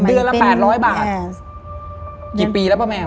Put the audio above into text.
เดือนละ๘๐๐บาทกี่ปีแล้วป้าแมว